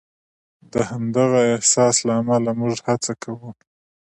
د همدغه احساس له امله موږ هڅه کوو.